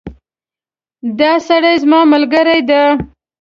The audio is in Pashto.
دا سړی زما ملګری ده